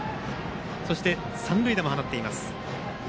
そして三塁打も放っています。